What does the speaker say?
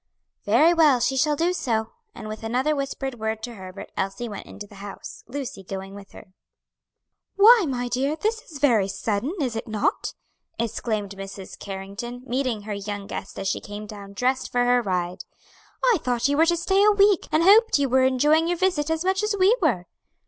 "Very well, she shall do so," and with another whispered word to Herbert, Elsie went into the house, Lucy going with her. "Why, my dear, this is very sudden, is it not?" exclaimed Mrs. Carrington, meeting her young guest as she came down dressed for her ride. "I thought you were to stay a week, and hoped you were enjoying your visit as much as we were."